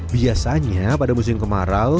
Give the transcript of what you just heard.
biasanya pada musim kemarau